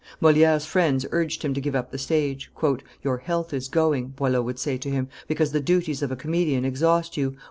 Moliere's friends urged him to give up the stage. "Your health is going," Boileau would say to him, "because the duties of a comedian exhaust you.